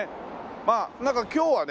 まあなんか今日はね